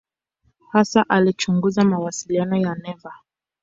Hasa alichunguza mawasiliano ya neva.